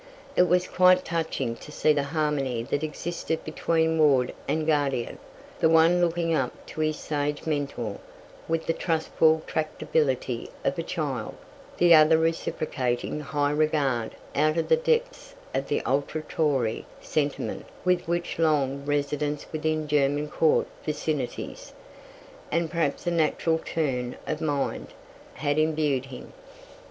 It was quite touching to see the harmony that existed between ward and guardian, the one looking up to his sage Mentor with the trustful tractability of a child, the other reciprocating high regard out of the depths of that ultra Tory sentiment with which long residence within German Court vicinities, and perhaps a natural turn of mind, had imbued him.